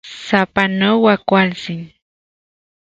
¡Sapanoa kualtsin!